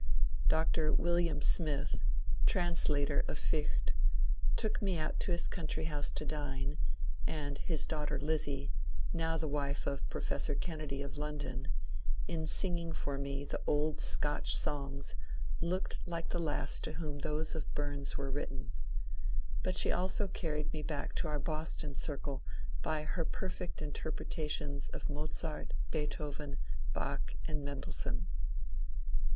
Dr. William Smith (translator of Fichte) took me out to his country house to dine, and his daughter Lizzie (now the wife of Professor Kennedy of London) in singing for me the old Scotch songs looked like the lass to whom those of Bums were written ; but she also carried me back to our Bos ton circle by her perfect interpretations of Mozart, Beethoven, Bach, and Mendelssohn.